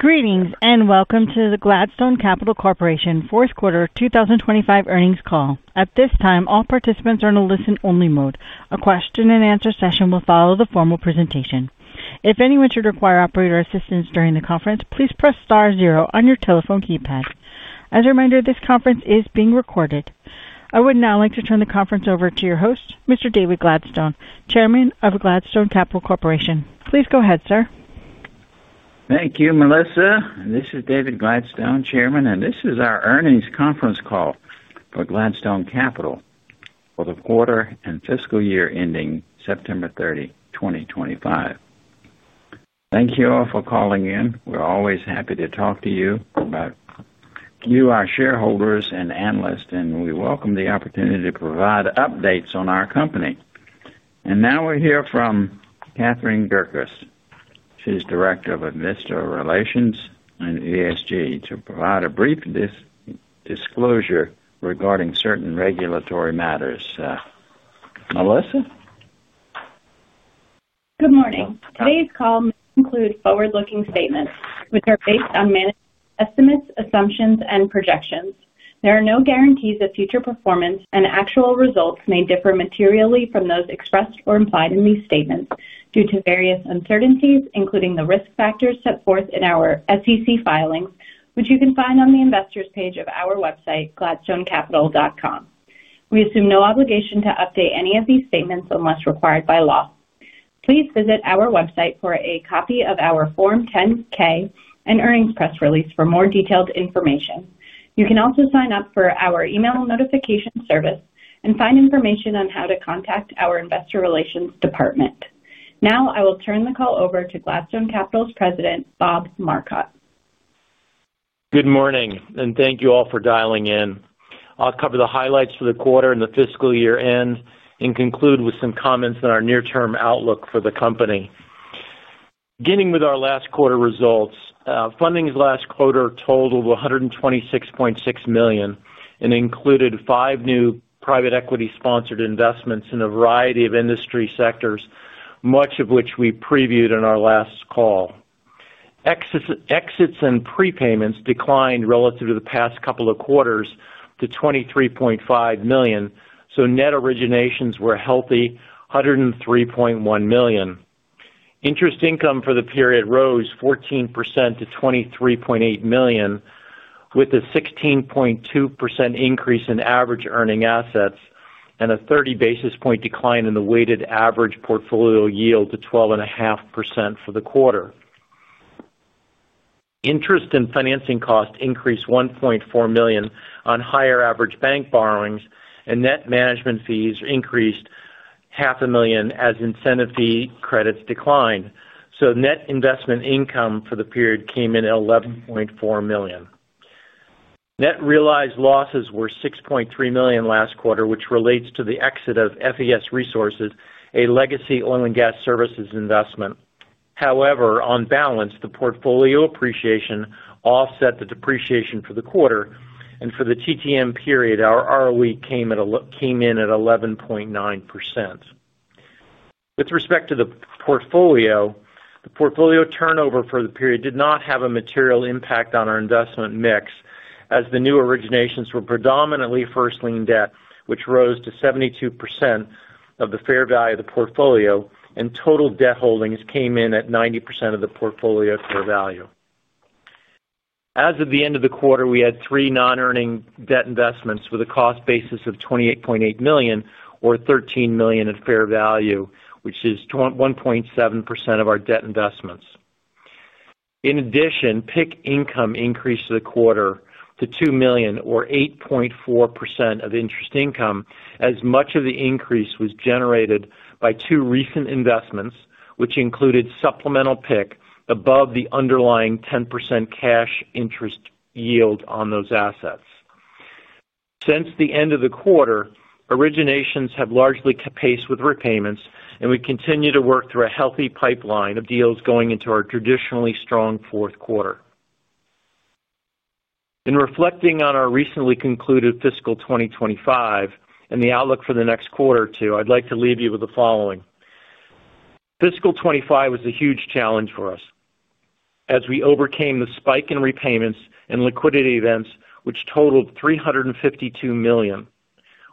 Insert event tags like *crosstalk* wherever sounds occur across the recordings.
Greetings and welcome to the Gladstone Capital Corporation Fourth Quarter 2025 Earnings Call. At this time, all participants are in a listen-only mode. A question-and-answer session will follow the formal presentation. If any of which would require operator assistance during the conference, please press star zero on your telephone keypad. As a reminder, this conference is being recorded. I would now like to turn the conference over to your host, Mr. David Gladstone, Chairman of Gladstone Capital Corporation. Please go ahead, sir. Thank you, Melissa. This is David Gladstone, Chairman, and this is our earnings conference call for Gladstone Capital for the quarter and fiscal year ending September 30, 2025. Thank you all for calling in. We're always happy to talk to you about you, our shareholders and analysts, and we welcome the opportunity to provide updates on our company. Now we hear from Catherine Gercos. She's Director of Investor Relations and ESG to provide a brief disclosure regarding certain regulatory matters. Melissa? Good morning. Today's call may include forward-looking statements which are based on management estimates, assumptions, and projections. There are no guarantees of future performance, and actual results may differ materially from those expressed or implied in these statements due to various uncertainties, including the risk factors set forth in our SEC filings, which you can find on the investors' page of our website, gladstone-capital.com. We assume no obligation to update any of these statements unless required by law. Please visit our website for a copy of our Form 10-K and earnings press release for more detailed information. You can also sign up for our email notification service and find information on how to contact our investor relations department. Now I will turn the call over to Gladstone Capital's President, Bob Marcotte. Good morning, and thank you all for dialing in. I'll cover the highlights for the quarter and the fiscal year end and conclude with some comments on our near-term outlook for the company. Beginning with our last quarter results, fundings last quarter totaled $126.6 million and included five new private equity-sponsored investments in a variety of industry sectors, much of which we previewed in our last call. Exits and prepayments declined relative to the past couple of quarters to $23.5 million, so net originations were healthy, $103.1 million. Interest income for the period rose 14% to $23.8 million, with a 16.2% increase in average earning assets and a 30 basis point decline in the weighted average portfolio yield to 12.5% for the quarter. Interest and financing costs increased $1.4 million on higher average bank borrowings, and net management fees increased $500,000 as incentive fee credits declined. Net investment income for the period came in at $11.4 million. Net realized losses were $6.3 million last quarter, which relates to the exit of FES Resources, a legacy oil and gas services investment. However, on balance, the portfolio appreciation offset the depreciation for the quarter, and for the TTM period, our ROE came in at 11.9%. With respect to the portfolio, the portfolio turnover for the period did not have a material impact on our investment mix, as the new originations were predominantly first lien debt, which rose to 72% of the fair value of the portfolio, and total debt holdings came in at 90% of the portfolio fair value. As of the end of the quarter, we had three non-earning debt investments with a cost basis of $28.8 million, or $13 million in fair value, which is 1.7% of our debt investments. In addition, PIC income increased the quarter to $2 million, or 8.4% of interest income, as much of the increase was generated by two recent investments, which included supplemental PIC above the underlying 10% cash interest yield on those assets. Since the end of the quarter, originations have largely capped with repayments, and we continue to work through a healthy pipeline of deals going into our traditionally strong fourth quarter. In reflecting on our recently concluded fiscal 2025 and the outlook for the next quarter or two, I'd like to leave you with the following. Fiscal 2025 was a huge challenge for us. As we overcame the spike in repayments and liquidity events, which totaled $352 million,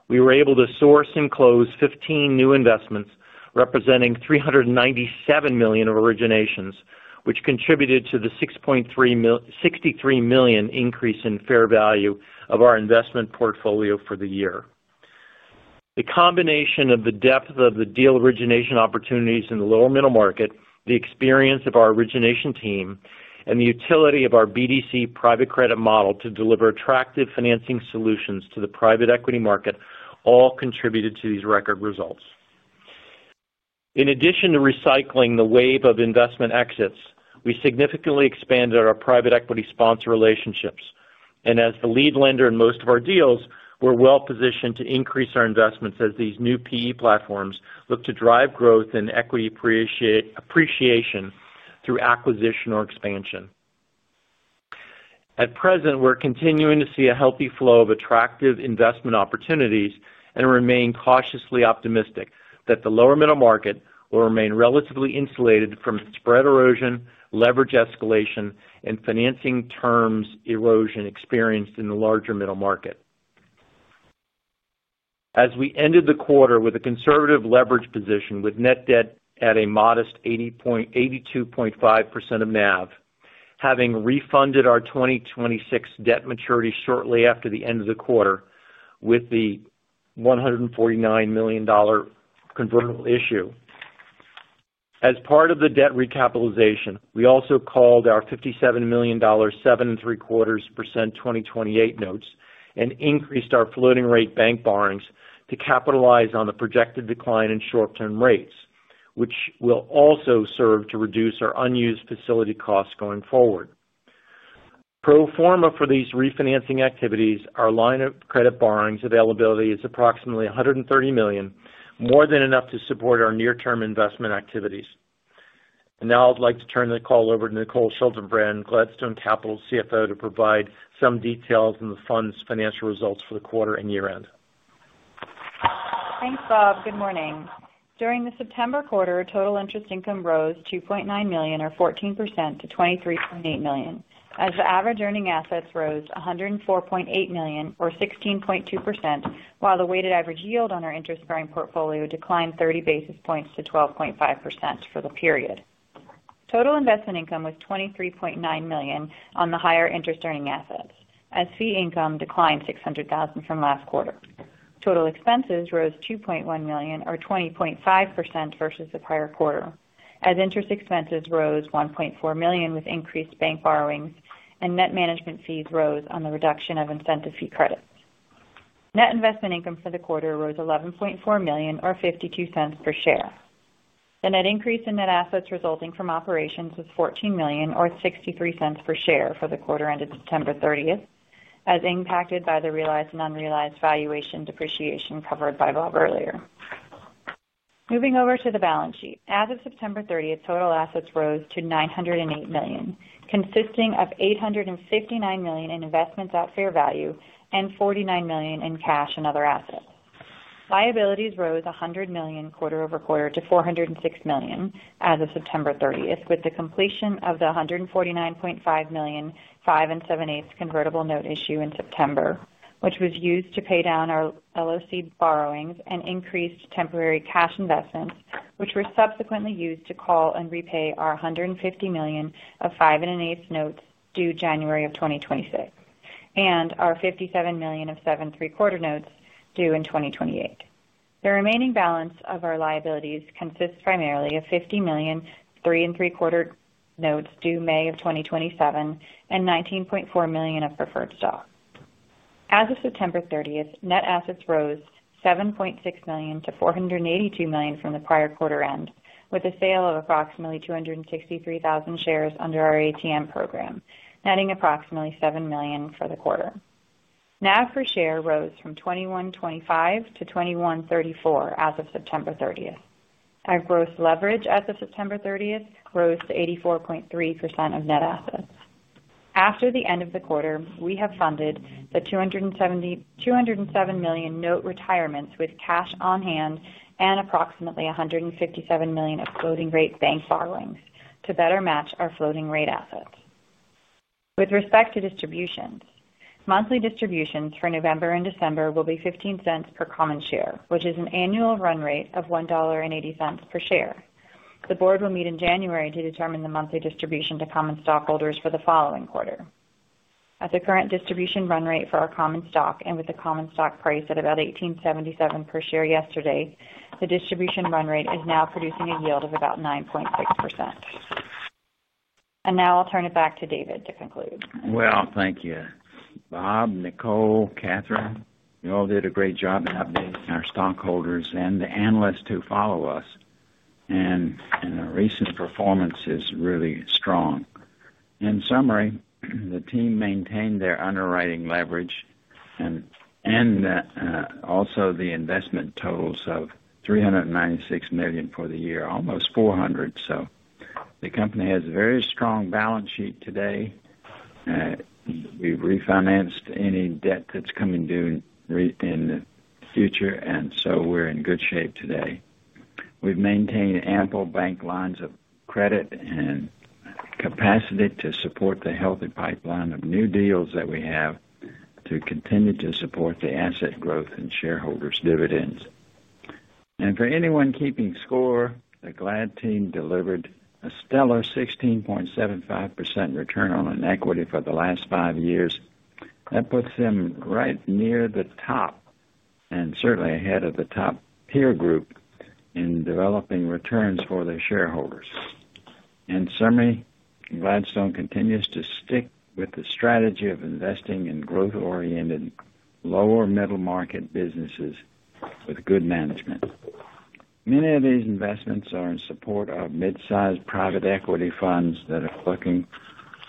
we were able to source and close 15 new investments representing $397 million of originations, which contributed to the $63 million increase in fair value of our investment portfolio for the year. The combination of the depth of the deal origination opportunities in the lower middle market, the experience of our origination team, and the utility of our BDC private credit model to deliver attractive financing solutions to the private equity market all contributed to these record results. In addition to recycling the wave of investment exits, we significantly expanded our private equity sponsor relationships, and as the lead lender in most of our deals, we're well positioned to increase our investments as these new PE platforms look to drive growth in equity appreciation through acquisition or expansion. At present, we're continuing to see a healthy flow of attractive investment opportunities and remain cautiously optimistic that the lower middle market will remain relatively insulated from spread erosion, leverage escalation, and financing terms erosion experienced in the larger middle market. As we ended the quarter with a conservative leverage position with net debt at a modest 82.5% of NAV, having refunded our 2026 debt maturity shortly after the end of the quarter with the $149 million convertible issue. As part of the debt recapitalization, we also called our $57 million 7.75% 2028 notes and increased our floating rate bank borrowings to capitalize on the projected decline in short-term rates, which will also serve to reduce our unused facility costs going forward. Pro forma for these refinancing activities, our line of credit borrowings availability is approximately $130 million, more than enough to support our near-term investment activities. Now I'd like to turn the call over to Nicole Schaltenbrand, Gladstone Capital's CFO, to provide some details on the fund's financial results for the quarter and year end. Thanks, Bob. Good morning. During the September quarter, total interest income rose $2.9 million, or 14%, to $23.8 million, as the average earning assets rose $104.8 million, or 16.2%, while the weighted average yield on our interest-bearing portfolio declined 30 basis points to 12.5% for the period. Total investment income was $23.9 million on the higher interest-earning assets, as fee income declined $600,000 from last quarter. Total expenses rose $2.1 million, or 20.5%, versus the prior quarter, as interest expenses rose $1.4 million with increased bank borrowings, and net management fees rose on the reduction of incentive fee credits. Net investment income for the quarter rose $11.4 million, or $0.52 per share. The net increase in net assets resulting from operations was $14 million, or $0.63 per share for the quarter ended September 30, as impacted by the realized and unrealized valuation depreciation covered by Bob earlier. Moving over to the balance sheet, as of September 30, total assets rose to $908 million, consisting of $859 million in investments at fair value and $49 million in cash and other assets. Liabilities rose $100 million quarter over quarter to $406 million as of September 30, with the completion of the $149.5 million 5 and 7/8 convertible note issue in September, which was used to pay down our LOC borrowings and increased temporary cash investments, which were subsequently used to call and repay our $150 million of 5 and 1/8 notes due January of 2026, and our $57 million of 7 and 3/4 notes due in 2028. The remaining balance of our liabilities consists primarily of $50 million 3 and 3/4 notes due May of 2027 and $19.4 million of preferred stock. As of September 30, net assets rose $7.6 million to $482 million from the prior quarter end, with a sale of approximately 263,000 shares under our ATM program, netting approximately $7 million for the quarter. NAV per share rose from $21.25 to $21.34 as of September 30. Our gross leverage as of September 30 rose to 84.3% of net assets. After the end of the quarter, we have funded the $207 million note retirements with cash on hand and approximately $157 million of floating rate bank borrowings to better match our floating rate assets. With respect to distributions, monthly distributions for November and December will be $0.15 per common share, which is an annual run rate of $1.80 per share. The board will meet in January to determine the monthly distribution to common stockholders for the following quarter. At the current distribution run rate for our common stock, and with the common stock price at about $18.77 per share yesterday, the distribution run rate is now producing a yield of about 9.6%. Now I'll turn it back to David to conclude. Thank you. Bob, Nicole, Catherine, you all did a great job in updating our stockholders and the analysts who follow us, and the recent performance is really strong. In summary, the team maintained their underwriting leverage and also the investment totals of $396 million for the year, almost $400 million. The company has a very strong balance sheet today. We have refinanced any debt that is coming due in the future, and we are in good shape today. We have maintained ample bank lines of credit and capacity to support the healthy pipeline of new deals that we have to continue to support the asset growth and shareholders' dividends. For anyone keeping score, the Glad team delivered a stellar 16.75% return on equity for the last five years. That puts them right near the top and certainly ahead of the top peer group in developing returns for their shareholders. In summary, Gladstone continues to stick with the strategy of investing in growth-oriented lower middle market businesses with good management. Many of these investments are in support of mid-sized private equity funds that are looking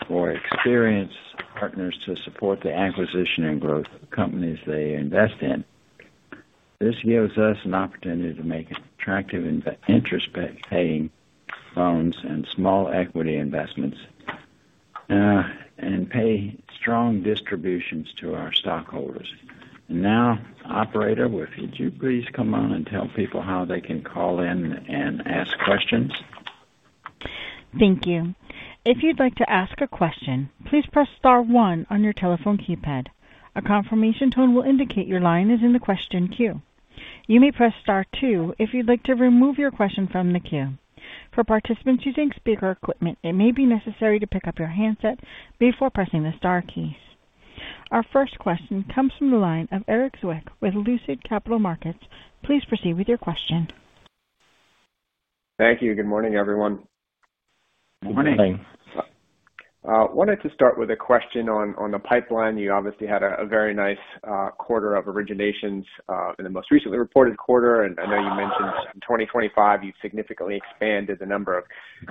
for experienced partners to support the acquisition and growth of companies they invest in. This gives us an opportunity to make attractive interest-bearing loans and small equity investments and pay strong distributions to our stockholders. Operator, would you please come on and tell people how they can call in and ask questions? Thank you. If you'd like to ask a question, please press star one on your telephone keypad. A confirmation tone will indicate your line is in the question queue. You may press star two if you'd like to remove your question from the queue. For participants using speaker equipment, it may be necessary to pick up your handset before pressing the star keys. Our first question comes from the line of Erik Zwick with Lucid Capital Markets. Please proceed with your question. Thank you. Good morning, everyone. Good morning. *crosstalk* Wanted to start with a question on the pipeline. You obviously had a very nice quarter of originations in the most recently reported quarter, and I know you mentioned in 2025 you've significantly expanded the number of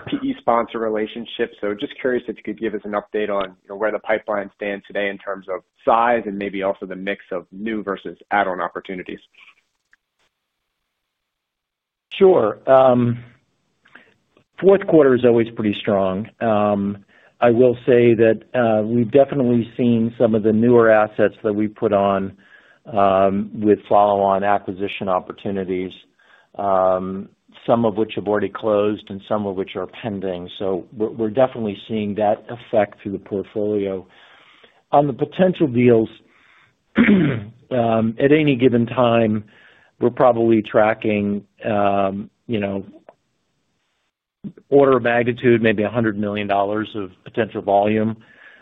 PE sponsor relationships. Just curious if you could give us an update on where the pipeline stands today in terms of size and maybe also the mix of new versus add-on opportunities. Sure. Fourth quarter is always pretty strong. I will say that we've definitely seen some of the newer assets that we've put on with follow-on acquisition opportunities, some of which have already closed and some of which are pending. We're definitely seeing that effect through the portfolio. On the potential deals, at any given time, we're probably tracking order of magnitude, maybe $100 million of potential volume.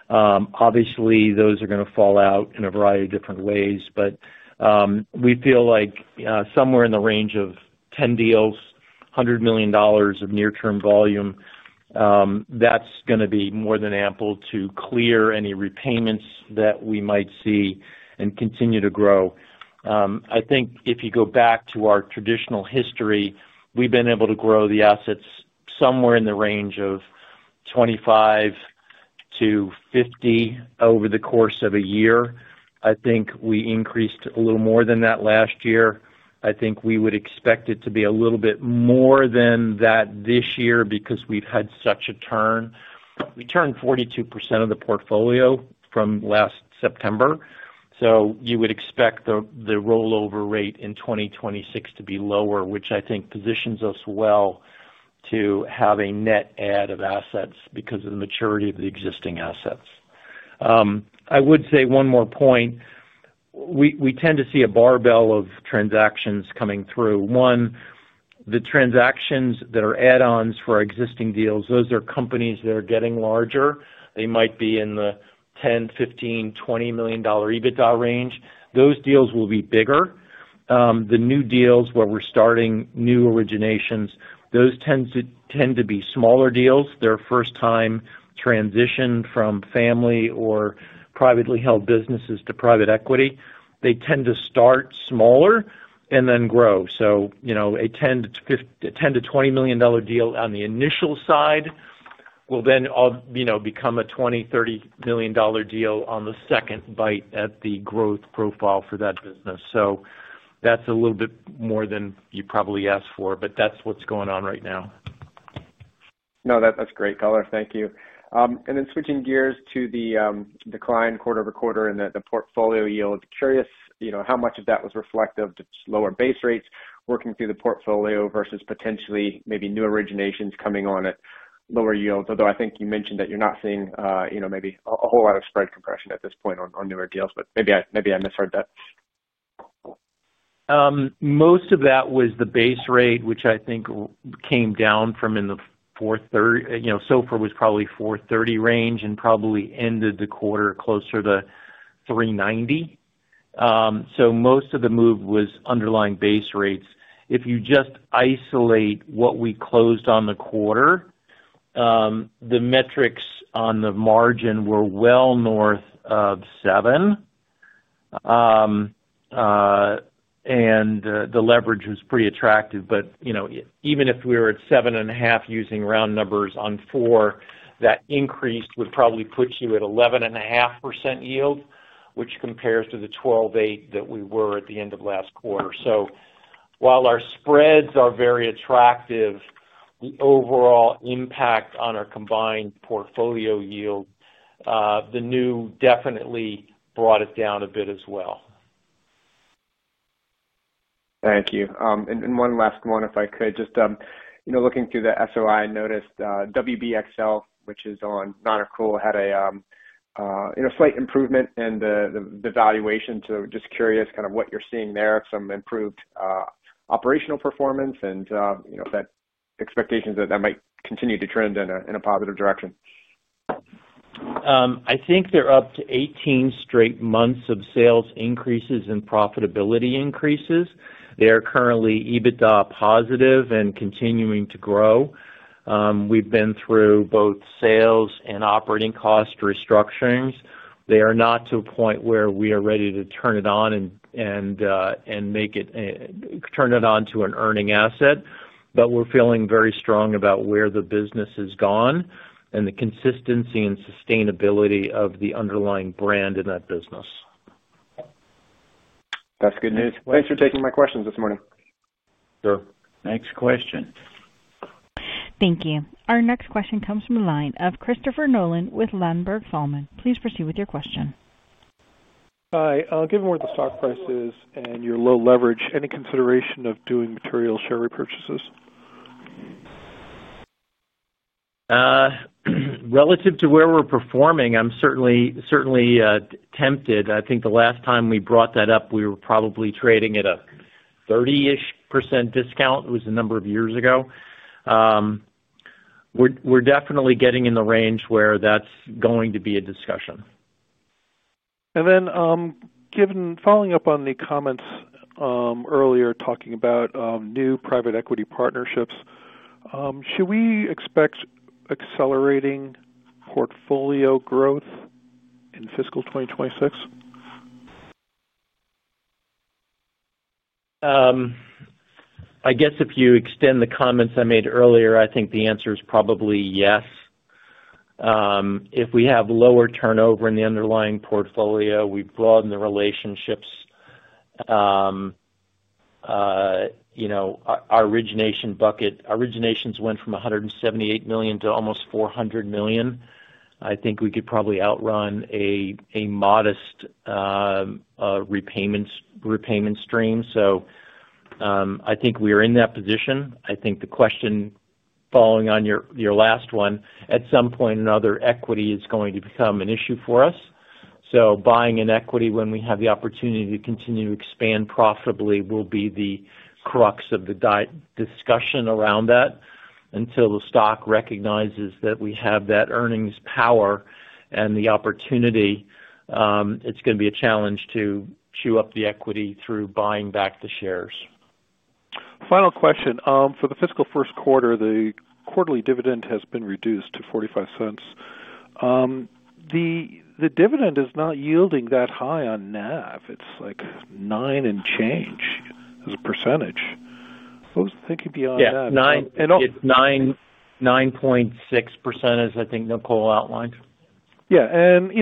Obviously, those are going to fall out in a variety of different ways, but we feel like somewhere in the range of 10 deals, $100 million of near-term volume, that's going to be more than ample to clear any repayments that we might see and continue to grow. I think if you go back to our traditional history, we've been able to grow the assets somewhere in the range of 25-50 over the course of a year. I think we increased a little more than that last year. I think we would expect it to be a little bit more than that this year because we've had such a turn. We turned 42% of the portfolio from last September. You would expect the rollover rate in 2026 to be lower, which I think positions us well to have a net add of assets because of the maturity of the existing assets. I would say one more point. We tend to see a barbell of transactions coming through. One, the transactions that are add-ons for our existing deals, those are companies that are getting larger. They might be in the $10, $15, $20 million EBITDA range. Those deals will be bigger. The new deals where we're starting new originations, those tend to be smaller deals. They're first-time transition from family or privately held businesses to private equity. They tend to start smaller and then grow. A $10-$20 million deal on the initial side will then become a $20-$30 million deal on the second bite at the growth profile for that business. That's a little bit more than you probably asked for, but that's what's going on right now. No, that's great, Color. Thank you. Then switching gears to the decline quarter over quarter in the portfolio yield, curious how much of that was reflective of lower base rates working through the portfolio versus potentially maybe new originations coming on at lower yields, although I think you mentioned that you're not seeing maybe a whole lot of spread compression at this point on newer deals, but maybe I misheard that. Most of that was the base rate, which I think came down from in the so far was probably 4.30 range and probably ended the quarter closer to 3.90. Most of the move was underlying base rates. If you just isolate what we closed on the quarter, the metrics on the margin were well north of 7, and the leverage was pretty attractive. Even if we were at 7.5 using round numbers on 4, that increase would probably put you at 11.5% yield, which compares to the 12.8% that we were at the end of last quarter. While our spreads are very attractive, the overall impact on our combined portfolio yield, the new definitely brought it down a bit as well. Thank you. And one last one, if I could. Just looking through the SOI, I noticed WBXL, which is on Monarch Coal, had a slight improvement in the valuation. So just curious kind of what you're seeing there, some improved operational performance and expectations that that might continue to trend in a positive direction. I think they're up to 18 straight months of sales increases and profitability increases. They are currently EBITDA positive and continuing to grow. We've been through both sales and operating cost restructurings. They are not to a point where we are ready to turn it on and turn it on to an earning asset, but we're feeling very strong about where the business has gone and the consistency and sustainability of the underlying brand in that business. That's good news. Thanks for taking my questions this morning. Sure. Next question. Thank you. Our next question comes from the line of Christopher Nolan with Ladenburg & Thalmann. Please proceed with your question. Hi. Given where the stock price is and your low leverage, any consideration of doing material share repurchases? Relative to where we're performing, I'm certainly tempted. I think the last time we brought that up, we were probably trading at a 30% discount. It was a number of years ago. We're definitely getting in the range where that's going to be a discussion. Following up on the comments earlier talking about new private equity partnerships, should we expect accelerating portfolio growth in fiscal 2026? I guess if you extend the comments I made earlier, I think the answer is probably yes. If we have lower turnover in the underlying portfolio, we've broadened the relationships. Our originations went from $178 million to almost $400 million. I think we could probably outrun a modest repayment stream. I think we are in that position. I think the question following on your last one, at some point or another, equity is going to become an issue for us. So buying an equity when we have the opportunity to continue to expand profitably will be the crux of the discussion around that. Until the stock recognizes that we have that earnings power and the opportunity, it's going to be a challenge to chew up the equity through buying back the shares. Final question. For the fiscal first quarter, the quarterly dividend has been reduced to $0.45. The dividend is not yielding that high on NAV. It's like 9% and change as a percentage. Thinking beyond that. Yeah. 9.96% is, I think, Nicole outlined. Yeah.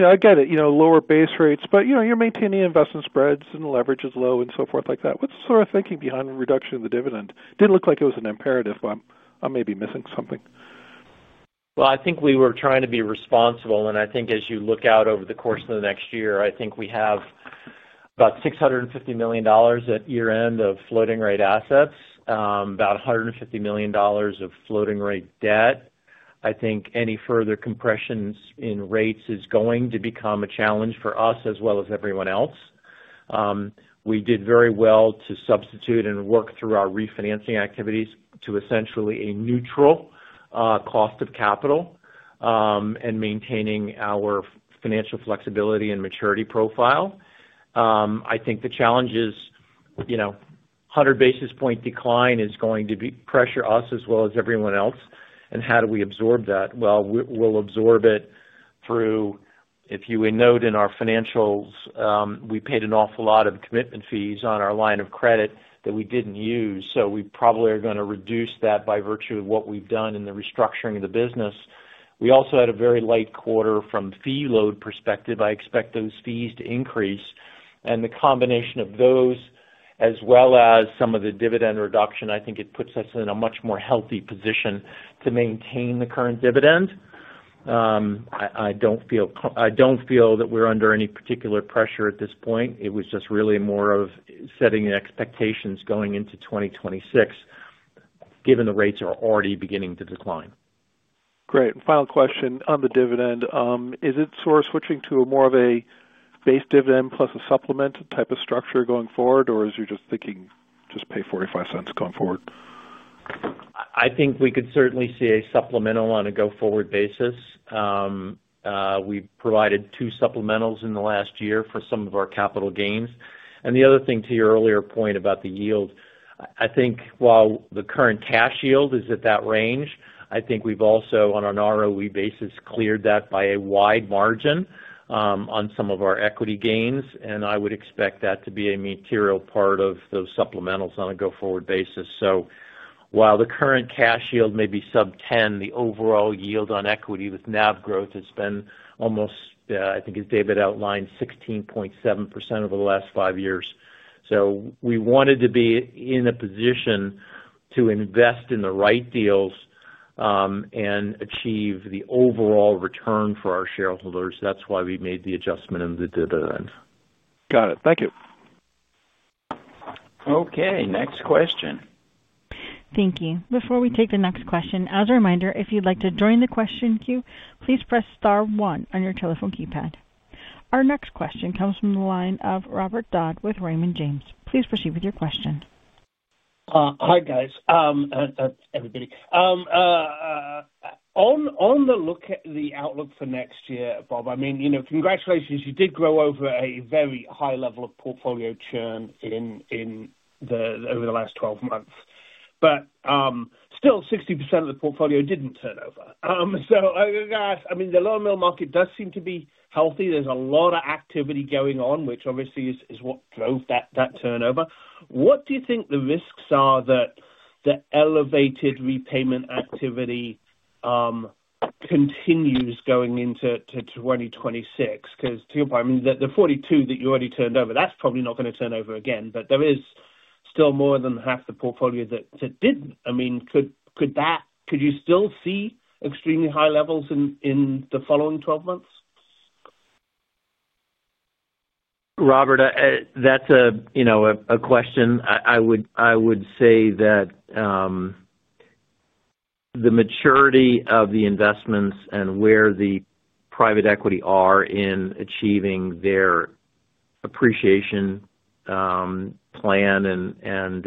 I get it. Lower base rates, but you're maintaining investment spreads and leverage is low and so forth like that. What's the sort of thinking behind the reduction of the dividend? Didn't look like it was an imperative, but I may be missing something. I think we were trying to be responsible, and I think as you look out over the course of the next year, I think we have about $650 million at year-end of floating rate assets, about $150 million of floating rate debt. I think any further compressions in rates is going to become a challenge for us as well as everyone else. We did very well to substitute and work through our refinancing activities to essentially a neutral cost of capital and maintaining our financial flexibility and maturity profile. I think the challenge is 100 basis point decline is going to pressure us as well as everyone else. How do we absorb that? We will absorb it through, if you would note in our financials, we paid an awful lot of commitment fees on our line of credit that we did not use. We probably are going to reduce that by virtue of what we've done in the restructuring of the business. We also had a very light quarter from a fee load perspective. I expect those fees to increase. The combination of those, as well as some of the dividend reduction, I think it puts us in a much more healthy position to maintain the current dividend. I don't feel that we're under any particular pressure at this point. It was just really more of setting expectations going into 2026, given the rates are already beginning to decline. Great. Final question on the dividend. Is it sort of switching to more of a base dividend plus a supplement type of structure going forward, or is you just thinking just pay $0.45 going forward? I think we could certainly see a supplemental on a go forward basis. We've provided two supplementals in the last year for some of our capital gains. The other thing to your earlier point about the yield, I think while the current cash yield is at that range, I think we've also, on an ROE basis, cleared that by a wide margin on some of our equity gains. I would expect that to be a material part of those supplementals on a go forward basis. While the current cash yield may be sub 10, the overall yield on equity with NAV growth has been almost, I think, as David outlined, 16.7% over the last five years. We wanted to be in a position to invest in the right deals and achieve the overall return for our shareholders. That's why we made the adjustment in the dividend. Got it. Thank you. Okay. Next question. Thank you. Before we take the next question, as a reminder, if you'd like to join the question queue, please press star one on your telephone keypad. Our next question comes from the line of Robert Dodd with Raymond James. Please proceed with your question. Hi, guys. Everybody. On the outlook for next year, Bob, I mean, congratulations. You did grow over a very high level of portfolio churn over the last 12 months. Still, 60% of the portfolio did not turnover. I mean, the loan market does seem to be healthy. There is a lot of activity going on, which obviously is what drove that turnover. What do you think the risks are that the elevated repayment activity continues going into 2026? Because to your point, I mean, the 42 that you already turned over, that is probably not going to turn over again. There is still more than half the portfolio that did not. I mean, could you still see extremely high levels in the following 12 months? Robert, that's a question. I would say that the maturity of the investments and where the private equity are in achieving their appreciation plan and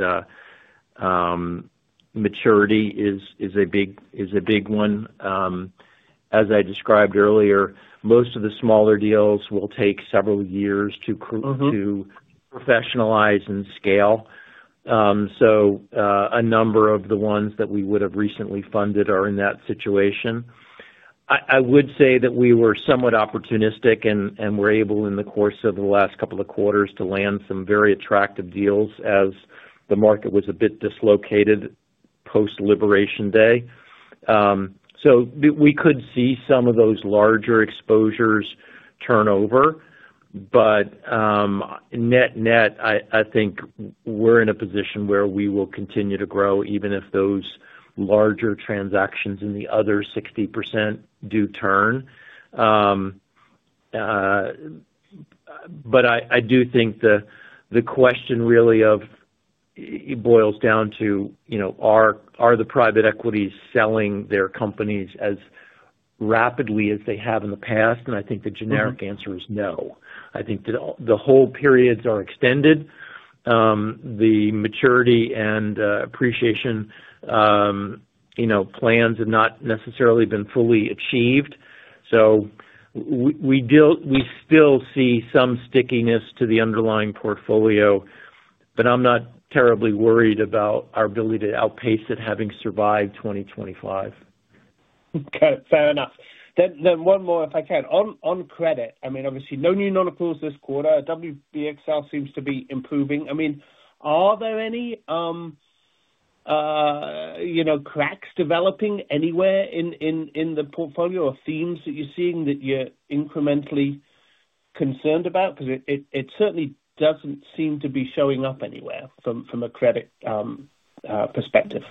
maturity is a big one. As I described earlier, most of the smaller deals will take several years to professionalize and scale. A number of the ones that we would have recently funded are in that situation. I would say that we were somewhat opportunistic and were able, in the course of the last couple of quarters, to land some very attractive deals as the market was a bit dislocated post-liberation day. We could see some of those larger exposures turnover. Net-net, I think we're in a position where we will continue to grow even if those larger transactions in the other 60% do turn. I do think the question really boils down to, are the private equities selling their companies as rapidly as they have in the past? I think the generic answer is no. I think the hold periods are extended. The maturity and appreciation plans have not necessarily been fully achieved. We still see some stickiness to the underlying portfolio, but I'm not terribly worried about our ability to outpace it having survived 2025. Okay. Fair enough. Then one more, if I can. On credit, I mean, obviously, no new non-accruals this quarter. WBXL seems to be improving. I mean, are there any cracks developing anywhere in the portfolio or themes that you're seeing that you're incrementally concerned about? Because it certainly doesn't seem to be showing up anywhere from a credit perspective.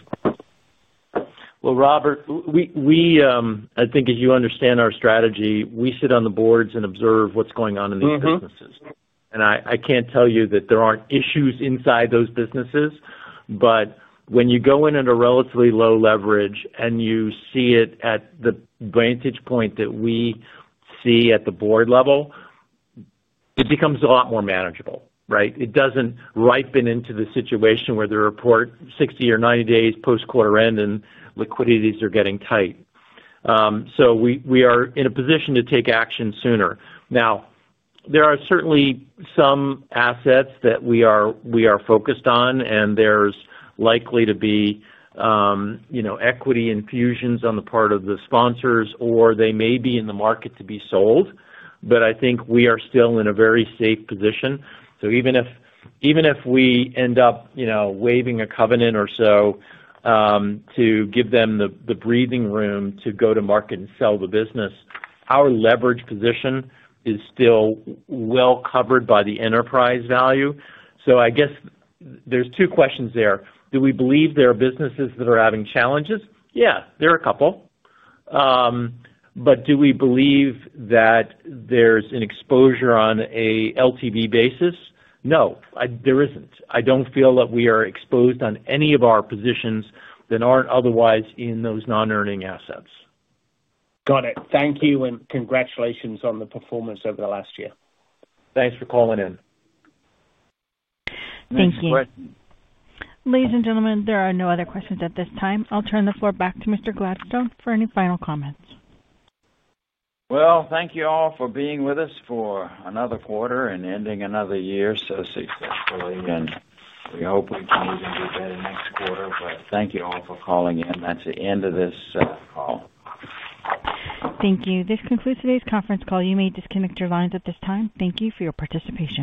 Robert, I think as you understand our strategy, we sit on the boards and observe what's going on in these businesses. I can't tell you that there aren't issues inside those businesses. When you go in at a relatively low leverage and you see it at the vantage point that we see at the board level, it becomes a lot more manageable, right? It doesn't ripen into the situation where there are 60 or 90 days post-quarter end and liquidities are getting tight. We are in a position to take action sooner. There are certainly some assets that we are focused on, and there's likely to be equity infusions on the part of the sponsors, or they may be in the market to be sold. I think we are still in a very safe position. Even if we end up waiving a covenant or so to give them the breathing room to go to market and sell the business, our leverage position is still well covered by the enterprise value. I guess there are two questions there. Do we believe there are businesses that are having challenges? Yeah, there are a couple. Do we believe that there is an exposure on a LTV basis? No, there is not. I do not feel that we are exposed on any of our positions that are not otherwise in those non-earning assets. Got it. Thank you. Congratulations on the performance over the last year. Thanks for calling in. Thank you. *crosstalk* Ladies and gentlemen, there are no other questions at this time. I'll turn the floor back to Mr. Gladstone for any final comments. Thank you all for being with us for another quarter and ending another year so successfully. We hope we can even do better next quarter. Thank you all for calling in. That's the end of this call. Thank you. This concludes today's conference call. You may disconnect your lines at this time. Thank you for your participation.